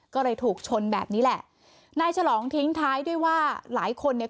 ก็เลยถูกชนแบบนี้แหละนายฉลองทิ้งท้ายด้วยว่าหลายคนเนี่ย